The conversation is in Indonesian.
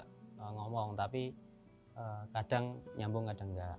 tidak ngomong tapi kadang nyambung kadang enggak